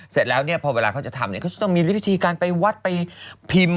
เสร็จแล้วเนี่ยพอเวลาเขาจะทำเนี่ยเขาจะต้องมีวิธีการไปวัดไปพิมพ์